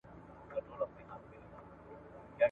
خصوصي سکتور خپل قیمتونه پخپله ټاکي.